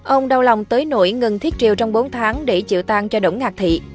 ông đau lòng tới nổi ngừng thiết triều trong bốn tháng để chịu tan cho đỗng ngạc thị